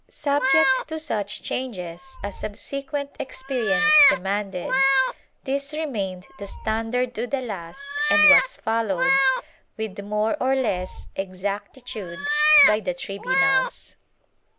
Subject to such changes as subsequent experience demanded, this remained the standard to the last and was followed, with more or less exactitude by the tribunals.